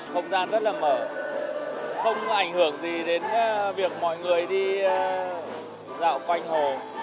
không gian rất là mở không ảnh hưởng gì đến việc mọi người đi dạo quanh hồ